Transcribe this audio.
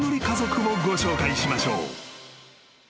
家族をご紹介しましょう］